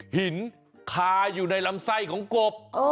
หินคาอยู่ในลำไส้ของกบ